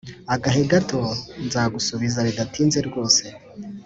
agahe gato nzagusubiza bidatinze rwose”